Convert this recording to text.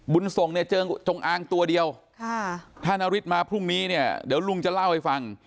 บุญส่งเนี่ยเจอจงอางตัวเดียวถ้านาริสมาพรุ่งนี้เนี่ยเดี๋ยวลุงจะเล่าให้ฟัง